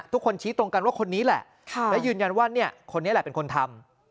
ทุกคนชี้ตรงกันว่าคนนี้แหละและยืนยันว่าเนี่ยคนนี้แหละเป็นคนทำ